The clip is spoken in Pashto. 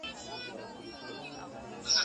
د ژوند حق د خدای لویه تحفه ده.